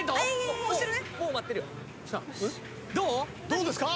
どうですか？